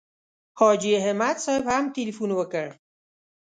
حاجي همت صاحب هم تیلفون وکړ.